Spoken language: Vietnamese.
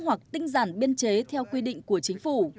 hoặc tinh giản biên chế theo quy định của chính phủ